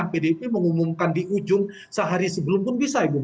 pdip mengumumkan di ujung sehari sebelum pun bisa ibu